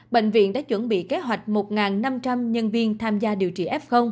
bệnh viện đã chuẩn bị kế hoạch một năm trăm linh nhân viên tham gia điều trị f